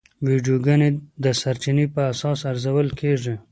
ویډیوګانې د سرچینې په اساس ارزول کېږي.